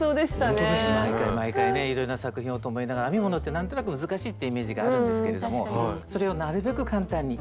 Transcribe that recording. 毎回毎回ねいろんな作品をと思いながら編み物って何となく難しいってイメージがあるんですけれどもそれをなるべく簡単に。